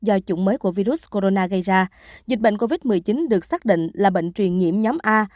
do chủng mới của virus corona gây ra dịch bệnh covid một mươi chín được xác định là bệnh truyền nhiễm nhóm a